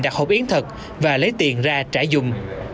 đặt hộp yến thật và lấy tiền ra trả dùm